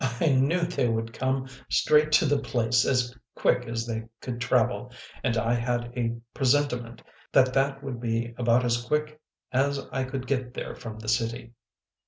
" I knew they would come straight to the place as quick as they could travel, and I had a presentiment that that would be about as quick as I could get there from the city.